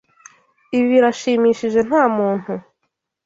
Ibi birashimishije ntamuntu.